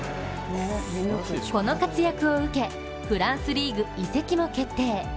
この活躍を受け、フランスリーグ移籍も決定。